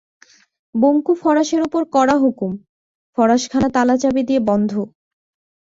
বঙ্কু ফরাশের উপর কড়া হুকুম, ফরাশখানা তালাচাবি দিয়ে বন্ধ।